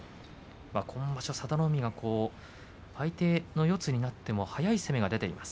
今場所、佐田の海が相手の四つになっても速い攻めが出ています。